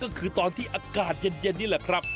ก็คือตอนที่อากาศเย็นนี่แหละครับ